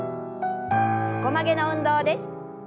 横曲げの運動です。